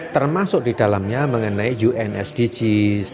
termasuk di dalamnya mengenai unsdgs